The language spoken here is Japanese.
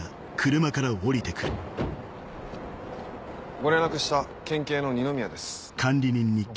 ご連絡した県警の二宮です。